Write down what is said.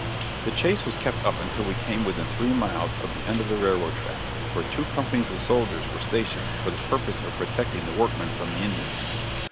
The chase was kept up until we came within three miles of the end of the railroad track, where two companies of soldiers were stationed for the purpose of protecting the workmen from the Indians.